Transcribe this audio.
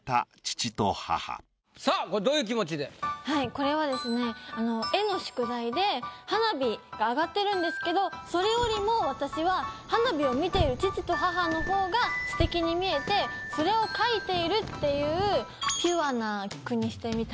これはですね絵の宿題で花火が上がってるんですけどそれよりも私は花火を観ている父と母の方が素敵に見えてそれを描いているっていう素敵じゃない。